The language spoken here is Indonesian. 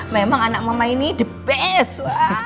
memang anak mama ini the best